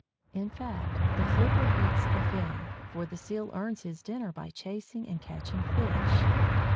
In fact, the flipper beats the fin, for the Seal earns his dinner by chasing and catching fish.